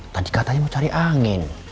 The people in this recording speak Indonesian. tadi katanya mau cari angin